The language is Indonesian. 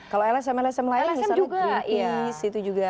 kalau lsm lsm lain misalnya greenpeace itu juga